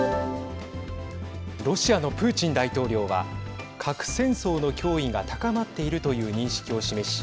ロシアのプーチン大統領は核戦争の脅威が高まっているという認識を示し